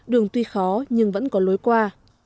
đường tuy khó nhưng vẫn có lối qua